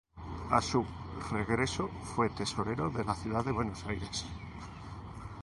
A su regreso fue tesorero de la ciudad de Buenos Aires.